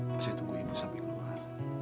masih tunggu ibu sampai keluar